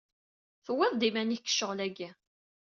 Tewwiḍ-d iman-ik deg ccɣel-agi.